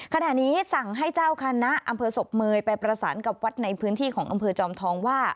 ขณะนี้สั่งให้เจ้าคณะอำเภอศพเมยไปประสานกับวัดในพื้นที่ของอำเภอจอมทองว่า